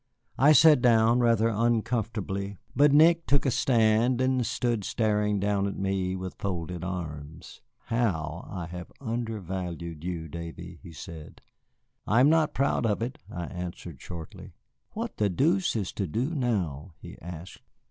I sat down, rather uncomfortably, but Nick took a stand and stood staring down at me with folded arms. "How I have undervalued you, Davy," he said. "I am not proud of it," I answered shortly. "What the deuce is to do now?" he asked.